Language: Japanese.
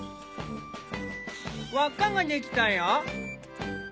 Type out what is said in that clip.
輪っかができたよ。